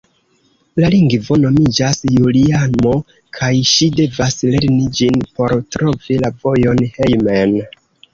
La lingvo nomiĝas Juliamo, kaj ŝi devas lerni ĝin por trovi la vojon hejmen.